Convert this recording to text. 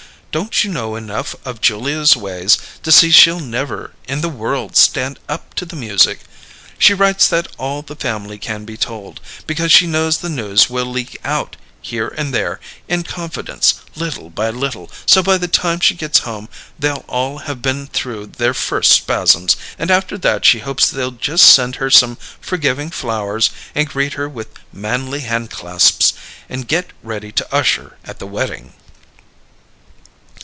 Don't you know enough of Julia's ways to see she'll never in the world stand up to the music? She writes that all the family can be told, because she knows the news will leak out, here and there, in confidence, little by little, so by the time she gets home they'll all have been through their first spasms, and after that she hopes they'll just send her some forgiving flowers and greet her with manly hand clasps and get ready to usher at the wedding!"